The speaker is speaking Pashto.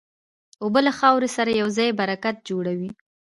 اوبه له خاورې سره یوځای برکت جوړوي.